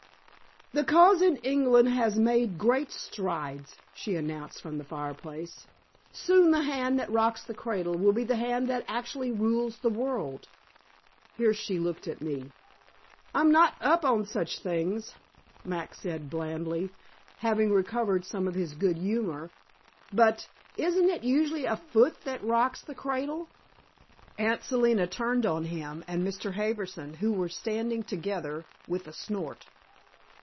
"The Cause in England has made great strides," she announced from the fireplace. "Soon the hand that rocks the cradle will be the hand that actually rules the world." Here she looked at me. "I'm not up on such things," Max said blandly, having recovered some of his good humor, "but isn't it usually a foot that rocks the cradle?" Aunt Selina turned on him and Mr. Harbison, who were standing together, with a snort.